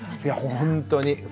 いや本当に。